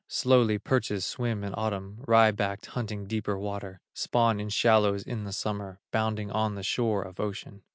Slowly perches swim in Autumn, Wry backed, hunting deeper water, Spawn in shallows in the summer, Bounding on the shore of ocean.